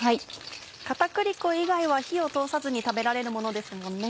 片栗粉以外は火を通さずに食べられるものですもんね。